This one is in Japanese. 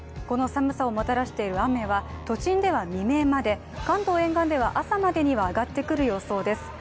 この寒さをもたらしている雨は都心では未明まで関東沿岸では朝までには上がってくる予想です